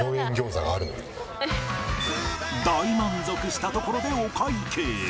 大満足したところでお会計。